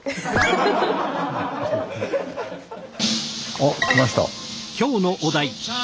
あ来ました。